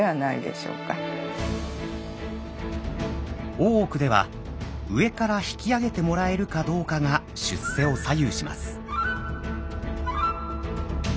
大奥では上から引き上げてもらえるかどうかが出世を左右します。